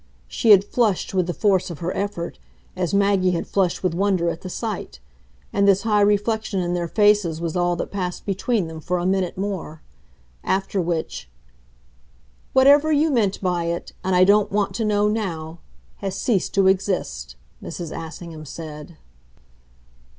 She had flushed with the force of her effort, as Maggie had flushed with wonder at the sight, and this high reflection in their faces was all that passed between them for a minute more. After which, "Whatever you meant by it and I don't want to know NOW has ceased to exist," Mrs. Assingham said.